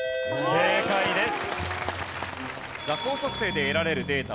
正解です。